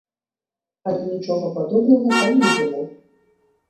Але нічога падобнага там не было.